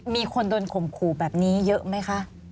มีคนโดนข่มขู่แบบนี้เยอะไหมคะ